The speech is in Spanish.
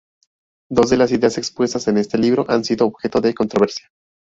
Dos de las ideas expuestas en este libro han sido objeto de controversia.